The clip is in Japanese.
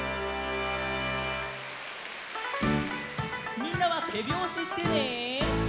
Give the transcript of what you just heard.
みんなはてびょうししてね！